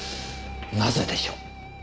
なぜでしょう？